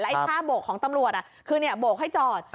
ไอ้ท่าโบกของตำรวจคือโบกให้จอด